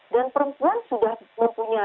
dan perempuan sudah mempunyai apa ya